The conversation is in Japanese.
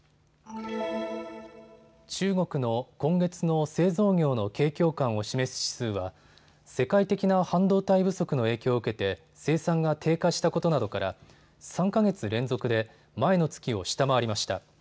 中国の今月の製造業の景況感を示す指数は世界的な半導体不足の影響を受けて生産が低下したことなどから３か月連続で前の月を下回りました。